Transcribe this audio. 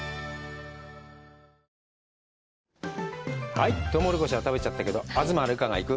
はいとうもろこしは食べちゃったけど「東留伽が行く！